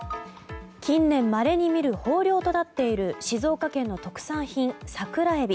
近年まれに見る豊漁となっている静岡県の特産品、桜エビ。